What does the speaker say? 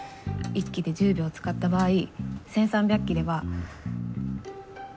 １機で１０秒使った場合１３００機では。